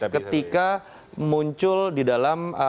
ketika muncul di dalam